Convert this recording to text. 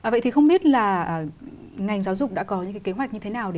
vậy thì không biết là ngành giáo dục đã có những kế hoạch như thế nào